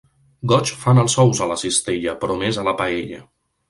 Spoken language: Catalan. Goig fan els ous a la cistella, però més a la paella.